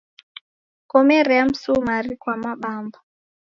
Komerea msumari kwa mabamba